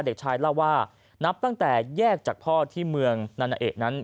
เด็กชายเล่าว่านับตั้งแต่แยกจากพ่อที่เมืองนานาเอกนั้น